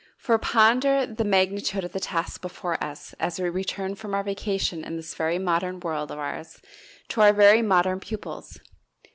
For ponder the magnitude of the task before us, as we return from our vacation in this very modern world of ours to our very modern pupils.